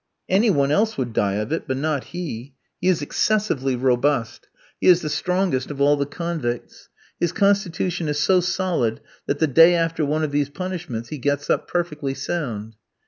"Any one else would die of it, but not he. He is excessively robust; he is the strongest of all the convicts. His constitution is so solid, that the day after one of these punishments he gets up perfectly sound."